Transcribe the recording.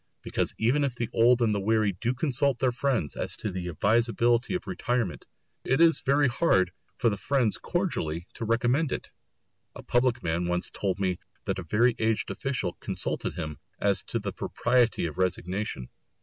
Because even if the old and weary do consult their friends as to the advisability of retirement, it is very hard for the friends cordially to recommend it. A public man once told me that a very aged official consulted him as to the propriety of resignation.